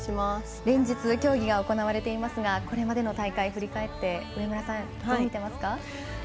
連日、競技が行われていますがこれまでの大会、振り返ってどう見てますか？